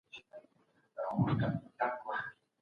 دغه کیسه زموږ لپاره یوه نقشه ده.